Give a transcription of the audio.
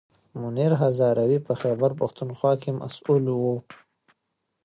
منیر هزاروي په خیبر پښتونخوا کې مسوول و.